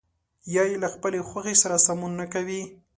یا يې له خپلې خوښې سره سمون نه کوي.